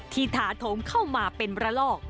ที่ถาดมเข้ามาเป็นระลอก